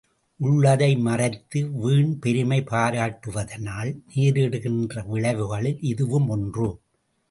உள்ளதை மறைத்து வீண் பெருமை பாராட்டுவதனால் நேரிடுகின்ற விளைவுகளில் இதுவும் ஒன்று.